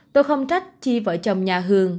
tôi không trách chi vợ chồng nhà hường